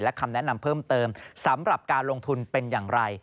และคำแนะนำเพิ่มเติมสำหรับการลงทุนเป็นอย่างไร